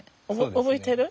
覚えてる？